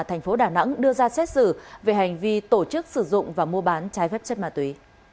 thành phố đà nẵng đưa ra xét xử về hành vi tổ chức sử dụng và mua bán trái phép chất ma túy